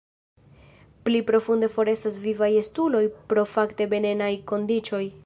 Pli profunde forestas vivaj estuloj pro fakte venenaj kondiĉoj.